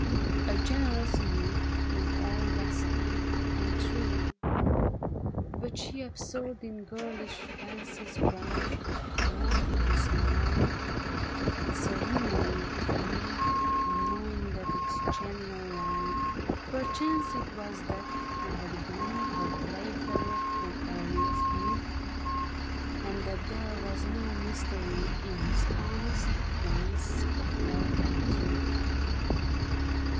A generous youth in all was he, And true ; but she Absorbed in girlish fancies bright, Walked in his smile, serenely free, Unknowing that its genial light Sprang from the depths of darkest night. Perchance it was that he had been Her play fellow from earliest youth. And that there was no mystery in His honest glance of love and truth.